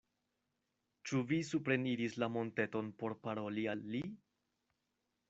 Ĉu vi supreniris la monteton por paroli al li?